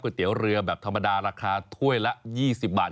เตี๋ยวเรือแบบธรรมดาราคาถ้วยละ๒๐บาท